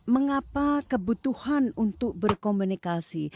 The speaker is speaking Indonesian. mengapa kebutuhan untuk berkomunikasi